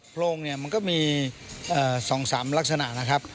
โรงเนี่ยมันก็มี๒๓ลักษณะนะครับ